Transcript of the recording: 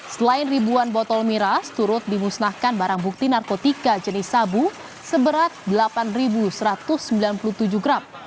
selain ribuan botol miras turut dimusnahkan barang bukti narkotika jenis sabu seberat delapan satu ratus sembilan puluh tujuh gram